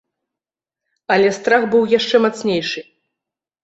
Але страх быў яшчэ мацнейшы.